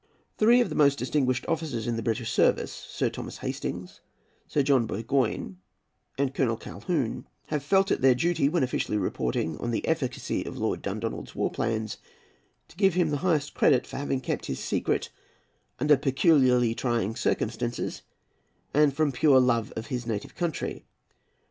Three of the most distinguished officers in the British service, Sir Thomas Hastings, Sir John Burgoyne, and Colonel Colquhoun, have felt it their duty, when officially reporting on the efficacy of Lord Dundonald's war plans, to give him the highest credit for having kept his secret " under peculiarly trying circumstances," and from pure love of his native country.